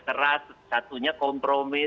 keras satunya kompromis